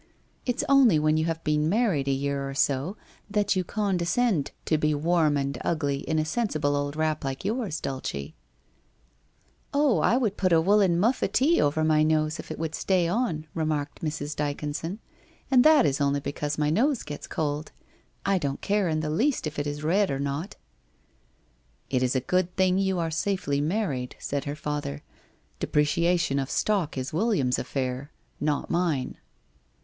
It's only when you have been married a year or so that you condescend to be warm and ugly in a sensible old wrap like yours, Dulce/ * Oh, I would put a woollen muffatee over my nose if it would stay on,' remarked Mrs. Dyconson, ' and that is only because my nose gets cold. I don't care in the least if it is red or not/ * It is a good thing you are 6afely married,' said her father. ' Depreciation of stock is William's affair, not mine.'